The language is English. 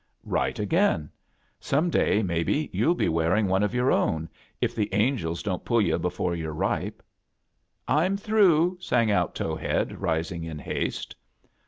"Right again. Some day, maybe, youll be wearii^ one of your own, if the angels don't pull yu* before you're ripe.'* "I'm through !" sang out Towhcad, rising in haste.